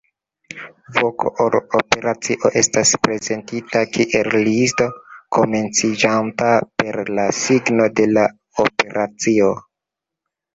Voko al operacio estas prezentita kiel listo, komenciĝanta per la signo de la operacio.